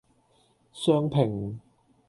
雙拼